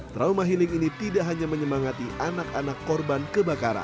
trauma healing ini tidak hanya menyemangati anak anak korban kebakaran